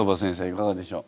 いかがでしょう？